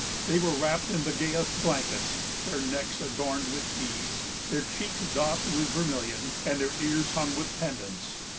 They were wrapped in the gayest blankets, their necks adorned with beads, their cheeks daubed with vermilion, and their ears hung with pendants.